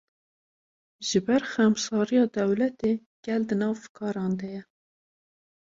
Ji ber xemsariya dewletê, gel di nav fikaran de ye